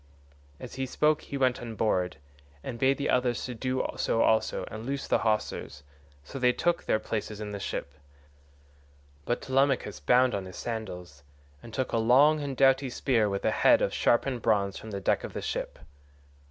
As he spoke he went on board, and bade the others do so also and loose the hawsers, so they took their places in the ship. But Telemachus bound on his sandals, and took a long and doughty spear with a head of sharpened bronze from the deck of the ship.